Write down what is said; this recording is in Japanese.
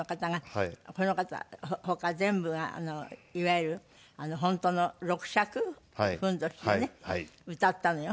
この方他全部がいわゆる本当の六尺ふんどしでね歌ったのよ。